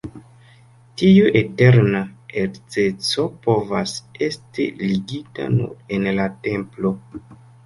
Tiu eterna edzeco povas esti ligita nur en la templo.